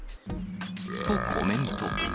とコメント。